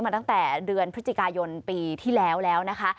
ตั้งแต่เดือนพฤศจิกายนปีที่แล้วแล้วนะคะ